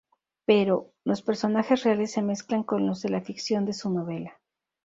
Pero, los personajes reales se mezclan con los de la ficción de su novela.